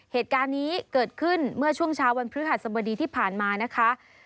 เหตุการณ์นี้เกิดขึ้นเมื่อช่วงเช้าวันพฤหัสบดีที่ผ่านมานะคะ